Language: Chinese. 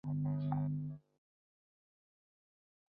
洛伊希是奥地利下奥地利州圣帕尔滕兰县的一个市镇。